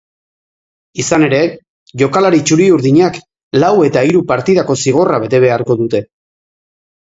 Izan ere, jokalari txuri-urdinak lau eta hiru partidako zigorra bete beharko dute.